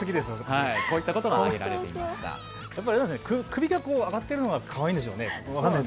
首が上がっているのがかわいいんですかね。